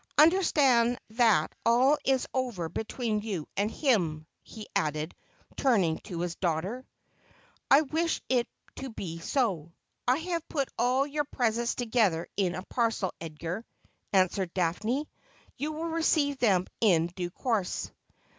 Understand that all is over between you and him,' he added, turning to his daughter. ' I wish it to be so. I have put all your presents together in a parcel, Edgar,' answered Daphne. ' You will receive them in due course.'